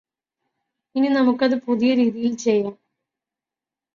ഇനി നമുക്കത് പുതിയ രീതിയില് ചെയ്യാം